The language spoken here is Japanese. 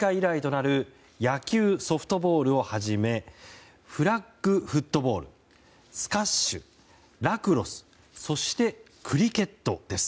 東京大会以来となる野球・ソフトボールをはじめフラッグフットボールスカッシュ、ラクロスそしてクリケットです。